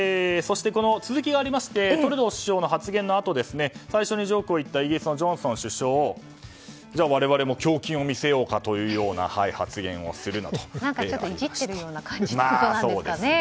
続きがありましてトルドー首相の発言のあとに最初にジョークを言ったイギリスのジョンソン首相が我々も胸筋を見せようかというような発言をするなど。